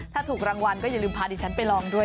ถ้าถูกรางวัลก็อย่าลืมพาดิฉันไปลองด้วย